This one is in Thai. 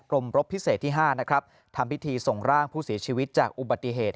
รบพิเศษที่๕นะครับทำพิธีส่งร่างผู้เสียชีวิตจากอุบัติเหตุ